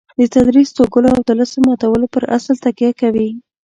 د تقدس توږلو او طلسم ماتولو پر اصل تکیه کوي.